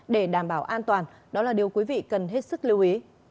để đảm bảo an toàn đó là điều quý vị cần hết sức lưu ý